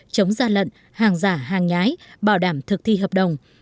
chống gian lận hàng giả hàng nhái bảo đảm thực thi hợp đồng